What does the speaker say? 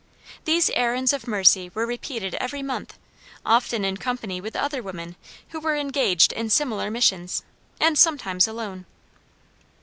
These errands of mercy were repeated every month, often in company with other women who were engaged in similar missions, and sometimes alone.